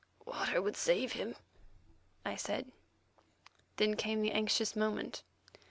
"Water would save him," I said. Then came the anxious moment.